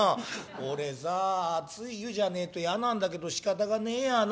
俺さあ熱い湯じゃねえと嫌なんだけどしかたがねえやな。